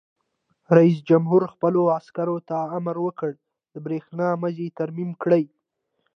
رئیس جمهور خپلو عسکرو ته امر وکړ؛ د برېښنا مزي ترمیم کړئ!